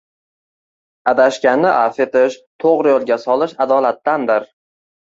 Adashganni avf etish, to‘g‘ri yo‘lga solish adolatdandir